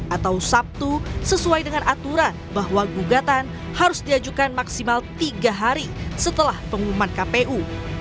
atau sabtu sesuai dengan aturan bahwa gugatan harus diajukan maksimal tiga hari setelah pengumuman kpu